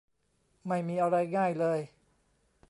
ไม่มีอะไรง่ายเลย